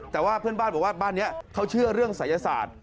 แต่ว่าเพื่อนบ้านบอกว่าบ้านนี้เขาเชื่อเรื่องศัยศาสตร์